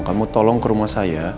kamu tolong ke rumah saya